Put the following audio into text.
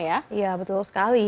ya betul sekali